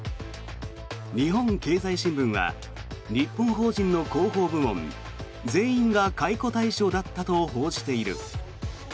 日本経済新聞は日本法人の広報部門全員が解雇対象だったと報じている。